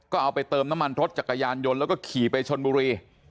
ก็เอาไปเติมน้ำมันรถจักรยานยนต์แล้วก็ขี่ไปชนบุรี